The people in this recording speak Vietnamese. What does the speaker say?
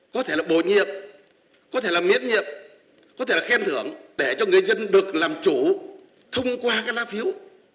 có thể là bổ nhiệm có thể là miễn nhiệm có thể là khen thưởng để cho người dân được làm chủ thông qua cái lá phiếu